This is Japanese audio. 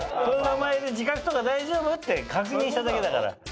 この名前で字画とか大丈夫？って確認しただけだから。